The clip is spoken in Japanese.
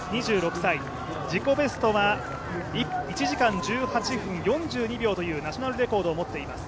自己ベストは１時間１８分４２秒というナショナルレコードを持っています。